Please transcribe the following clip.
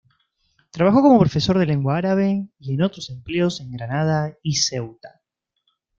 Trabajó como profesor de lengua árabe y en otros empleos en Granada y Ceuta.